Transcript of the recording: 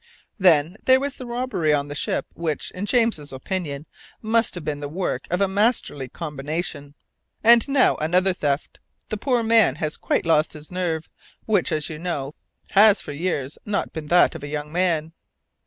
Then there was the robbery on the ship, which, in James's opinion, must have been the work of a masterly combination. And now another theft! The poor fellow has quite lost his nerve, which, as you know, has for years not been that of a young man.